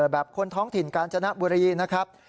คนท้องถิ่นกาญจนบุรีนะครับ